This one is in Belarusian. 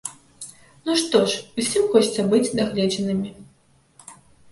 Ну што ж, усім хочацца быць дагледжанымі!